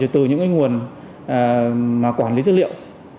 từ những nguồn quản lý dữ liệu